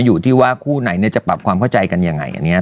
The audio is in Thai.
อยู่ที่คู่ไหนจะปรับความเชื่อได้กันยังไง